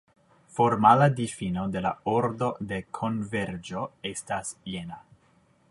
Formala difino de la ordo de konverĝo estas jena.